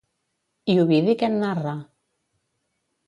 I Ovidi què en narra?